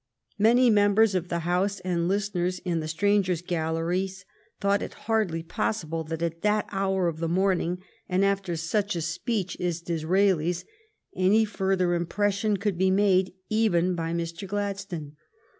Many members of the House and listeners in the strangers' galleries thought it hardly possible that, at that hour of the morning, and after such 156 GLADSTONE AND DISRAELI AS RIVALS 157 a speech as Disraeli's, any further impression could be made even by Mr. Gladstone.